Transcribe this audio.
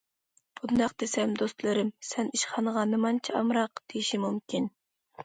بۇنداق دېسەم دوستلىرىم‹‹ سەن ئىشخانىغا نېمانچە ئامراق›› دېيىشى مۇمكىن.